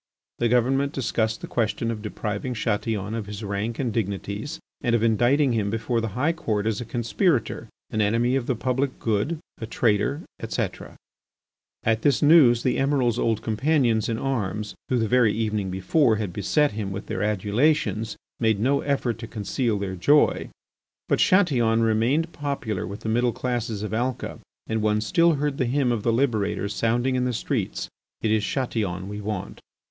The government discussed the question of depriving Chatillon of his rank and dignities and of indicting him before the High Court as a conspirator, an enemy of the public good, a traitor, etc. At this news the Emiral's old companions in arms, who the very evening before had beset him with their adulations, made no effort to conceal their joy. But Chatillon remained popular with the middle classes of Alca and one still heard the hymn of the liberator sounding in the streets, "It is Chatillon we want."